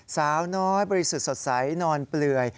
สาวน้อยบริสุทธิ์สดใสนอนเปลือย